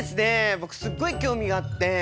僕すっごい興味があって。